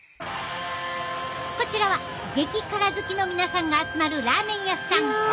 こちらは激辛好きの皆さんが集まるラーメン屋さん。